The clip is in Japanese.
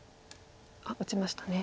打ちましたね。